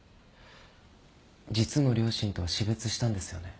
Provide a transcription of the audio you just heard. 実の両親とは死別したんですよね？